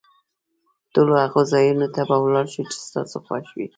ټولو هغو ځایونو ته به ولاړ شو، چي ستا خوښ وي.